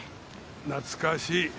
懐かしい。